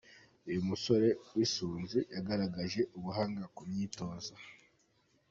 Uyu musore w’isunzu yagaragaje ubuhanga ku myitozo.